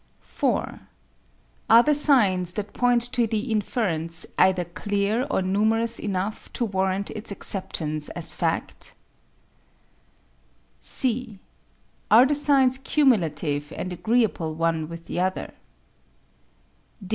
(b) Are the signs that point to the inference either clear or numerous enough to warrant its acceptance as fact? (c) Are the signs cumulative, and agreeable one with the other?